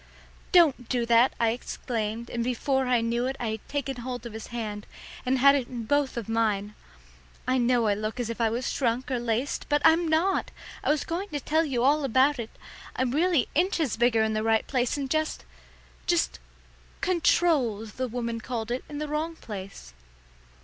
"Don't do that!" I exclaimed, and before I knew it I had taken hold of his hand, and had it in both of mine. "I know I look as if I was shrunk or laced, but I'm not! I was going to tell you all about it. I'm really inches bigger in the right place, and just just 'controlled,' the woman called it, in the wrong place."